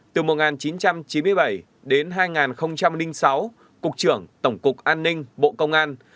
từ một nghìn chín trăm chín mươi bảy đến hai nghìn sáu cục trưởng tổng cục an ninh bộ công an